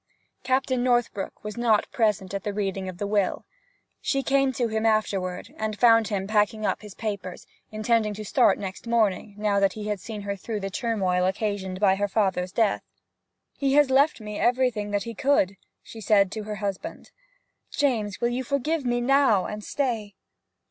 Captain Northbrook was not present at the reading of the will. She came to him afterward, and found him packing up his papers, intending to start next morning, now that he had seen her through the turmoil occasioned by her father's death. 'He has left me everything that he could!' she said to her husband. 'James, will you forgive me now, and stay?'